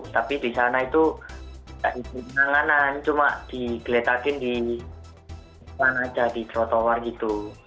tapi di sana itu tidak di penanganan cuma digeletakin di depan aja di trotoar gitu